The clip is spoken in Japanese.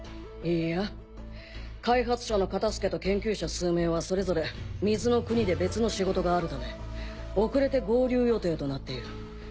いいや開発者のカタスケと研究者数名はそれぞれ水の国で別の仕事があるため遅れて合流予定となっている。